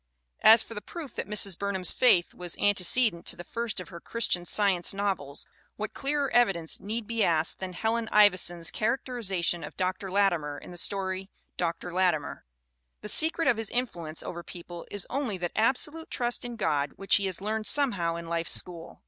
As for the proof that Mrs. Burnham's faith was an tecedent to the first of her Christian Science novels what clearer evidence need be asked than Helen Ivi son's characterization of Dr. Latimer in the story, Dr. Larimer? "The secret of his influence over people is only that absolute trust in God which he has learned somehow in life's school.